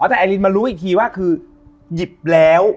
แต่ไอลินมารู้อีกทีว่าคือหยิบแล้ว